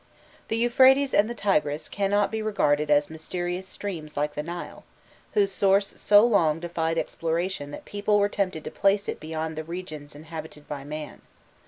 The Euphrates and the Tigris cannot be regarded as mysterious streams like the Nile, whose source so long defied exploration that people were tempted to place it beyond the regions inhabited by man.